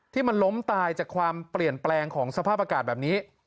ที่มันล้มตายจากความเปลี่ยนแปลงของสภาพอากาศแบบนี้